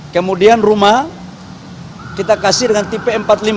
kemudian rumah kita kasih dengan tipe empat puluh lima